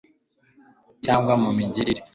cyangwa mu migirire